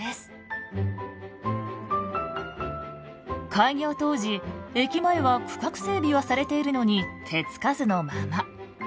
開業当時駅前は区画整備はされているのに手付かずのまま。